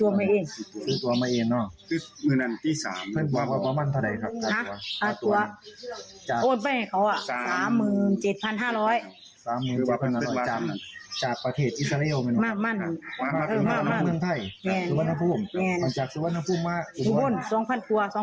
ร่วมทั้งเบอร์สเนี่ยเค้าต้องจ่ายเงิน